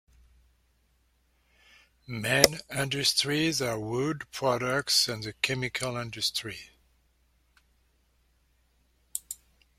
Main industries are wood products and the chemical industry.